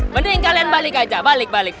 mending kalian balik aja balik balik